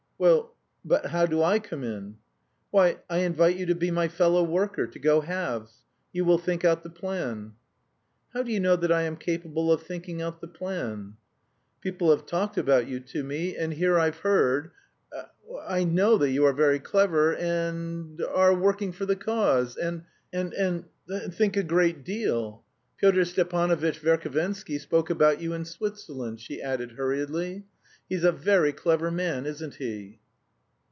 "Well, but how do I come in?" "Why, I invite you to be my fellow worker, to go halves. You will think out the plan." "How do you know that I am capable of thinking out the plan?" "People have talked about you to me, and here I've heard ... I know that you are very clever and... are working for the cause ... and think a great deal. Pyotr Stepanovitch Verhovensky spoke about you in Switzerland," she added hurriedly. "He's a very clever man, isn't he?"